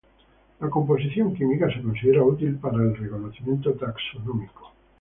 La composición química se considera útil para el reconocimiento taxonómico.